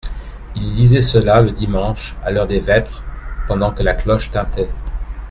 Ils lisaient cela le dimanche, à l'heure des vêpres, pendant que la cloche tintait.